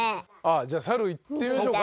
じゃあ猿いってみましょうか。